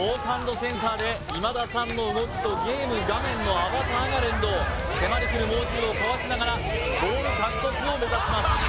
センサーで今田さんの動きとゲーム画面のアバターが連動迫りくる猛獣をかわしながらボール獲得を目指します